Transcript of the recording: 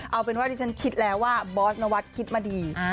เอาเป็นว่าพ่อธิจันทร์คิดแล้วว่าบอสนวัตคิดมาดี